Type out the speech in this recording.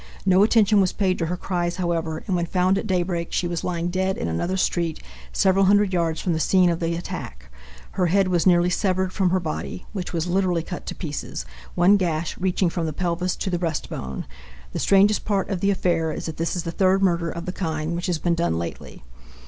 No attention was paid to her cries, however, and when found at daybreak she was lying dead in another street, several hundred yards from the scene of the attack. Her head was nearly severed from her body, which was literally cut to pieces, one gash reaching from the pelvis to the breastbone. The strangest part of the affair is that this is the third murder of the kind which has been done lately.